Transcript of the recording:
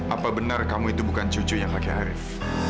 apa benar kamu itu bukan cucunya kakek arief